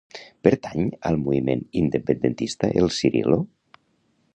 Pertany al moviment independentista el Cirilo?